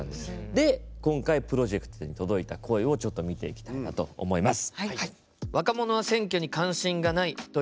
で、今回プロジェクトに届いた声を、ちょっと見ていきたいなと思います。